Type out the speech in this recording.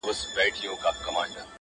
• د پریان لوري، د هرات او ګندارا لوري_